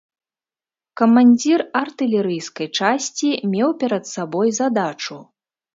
Камандзір артылерыйскай часці меў перад сабой задачу.